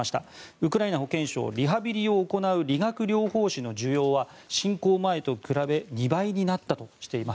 ウクライナ保健省リハビリを行う理学療法士の需要は侵攻前と比べ２倍になったとしています。